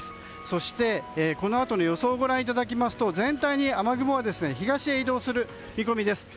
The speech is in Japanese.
そして、このあとの予想をご覧いただきますと全体に雨雲は東へ移動する見込みです。